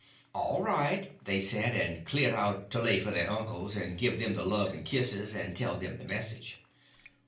"All right," they said, and cleared out to lay for their uncles, and give them the love and the kisses, and tell them the message.